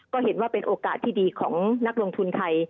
ก็เห็นว่าเป็นโอกาสที่ดีของนักลงทุนไทย